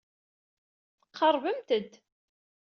Tqerrbemt-d.